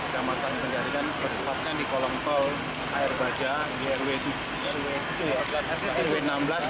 jam atas penjaringan berkepatnya di kolong tol air baja drw enam belas drt tujuh